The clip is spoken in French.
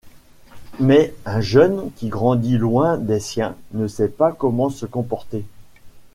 Mais un jeune qui grandit loin des siens ne sait pas comment se comporter.